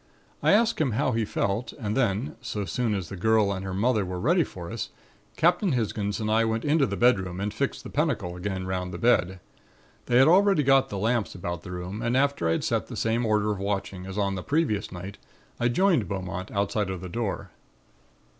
I asked him how he felt and then, so soon as the girl and her mother were ready for us, Captain Hisgins and I went into the bedroom and fixed the pentacle again 'round the bed. They had already got lamps about the room and after I had set the same order of watching as on the previous night, I joined Beaumont outside of the door.